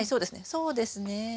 そうですね。